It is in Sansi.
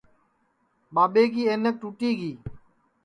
ٻاٻے کی اینک ٹوٹی گی